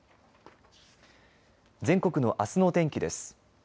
全国のあすの天気です。